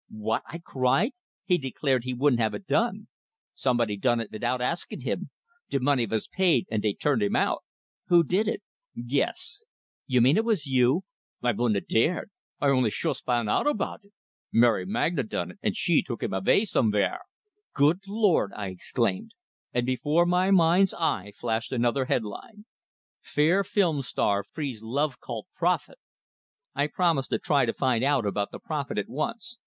"What?" I cried. "He declared he wouldn't have it done." "Somebody done it vitout askin' him! De money vas paid, and dey turned him out!" "Who did it?" "Guess!" "You mean it was you?" "I vouldn't 'a dared. I only shoost found out about it. Mary Magna done it, and she's took him avay somevere." "Good Lord!" I exclaimed; and before my mind's eye flashed another headline: FAIR FILM STAR FREES LOVE CULT PROPHET I promised to try to find out about the prophet at once.